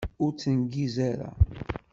Ur ttengiz ara!